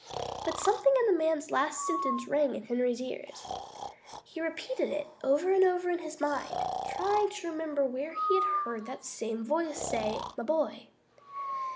But something in the man's last sentence rang in Henry's ears. He repeated it over and over in his mind, trying to remember where he had heard that same voice say "my boy."